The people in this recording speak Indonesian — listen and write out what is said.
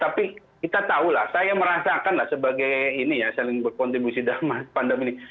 tapi kita tahu lah saya merasakan lah sebagai ini ya saling berkontribusi dalam pandemi ini